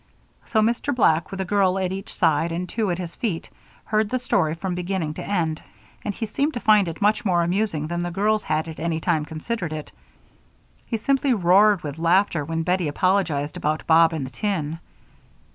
So Mr. Black, with a girl at each side and two at his feet, heard the story from beginning to end, and he seemed to find it much more amusing than the girls had at any time considered it. He simply roared with laughter when Bettie apologized about Bob and the tin.